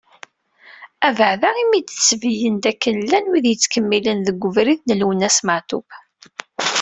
Abeεda imi i d-tesbeyyen dakken llan wid yettkemmilen deg ubrid n Lwennas Meɛtub.